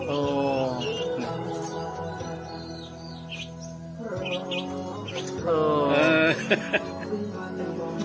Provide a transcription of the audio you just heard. โอ้โห